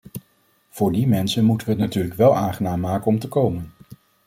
Voor die mensen moeten we het natuurlijk wel aangenaam maken om te komen.